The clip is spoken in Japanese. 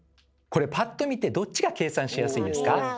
パッと見てどっちが計算しやすいですか？